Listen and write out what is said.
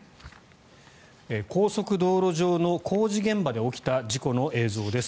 高速道路上の工事現場で起きた事故の映像です。